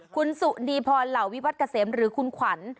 คุณสุนีพรเหล่าวิวัตรเกษมหรือคุณขวัญ